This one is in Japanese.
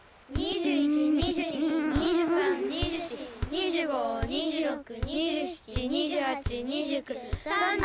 ２５２６２７２８２９３０。